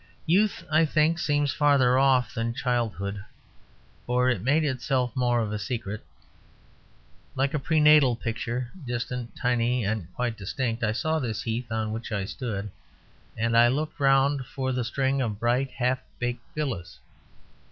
Youth, I think, seems farther off than childhood, for it made itself more of a secret. Like a prenatal picture, distant, tiny, and quite distinct, I saw this heath on which I stood; and I looked around for the string of bright, half baked villas.